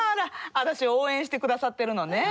私を応援してくださってるのね。